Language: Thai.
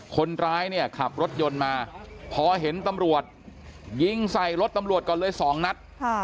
คนร้ายเนี่ยขับรถยนต์มาพอเห็นตำรวจยิงใส่รถตำรวจก่อนเลย๒นัด